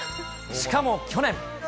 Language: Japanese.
しかも去年。